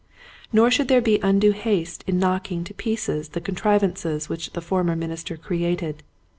Nor should there be undue haste in knocking to pieces the contrivances which the former minister created.